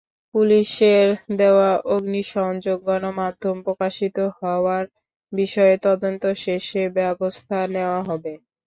পুলিশের দেওয়া অগ্নিসংযোগ গণমাধ্যমে প্রকাশিত হওয়ার বিষয়ে তদন্ত শেষে ব্যবস্থা নেওয়া হবে।